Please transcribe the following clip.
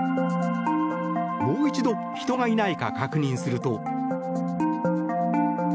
もう一度人がいないか確認すると。